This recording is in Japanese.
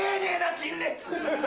陳列！